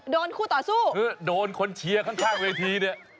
คู่ต่อสู้คือโดนคนเชียร์ข้างเวทีเนี่ย